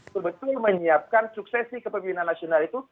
betul betul menyiapkan suksesi kepemimpinan nasional itu